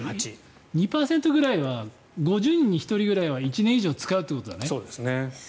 ２％ぐらいは５０人に１人ぐらいは１年以上使うってことだね。